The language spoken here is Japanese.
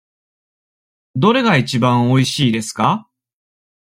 どれがいちばんおいしいですか。